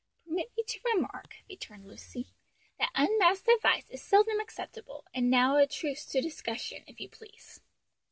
"Permit me to remark," returned Lucy, "that unmasked advice is seldom acceptable, and now a truce to discussion, if you please.